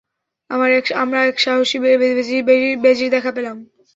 আমরা এক সাহসী বেজির দেখা পেলাম।